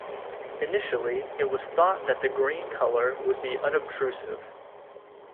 Initially, it was thought that the green colour would be unobtrusive.